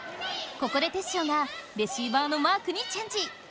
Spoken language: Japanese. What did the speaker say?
ここでテッショウがレシーバーのマークにチェンジ。